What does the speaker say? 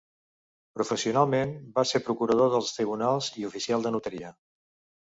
Professionalment, va ser procurador dels tribunals i oficial de notaria.